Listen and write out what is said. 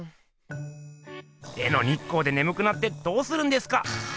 絵の日光でねむくなってどうするんですか！